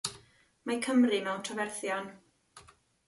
Mae Cymru mewn trafferthion.